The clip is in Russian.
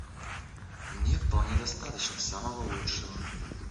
Мне вполне достаточно самого лучшего.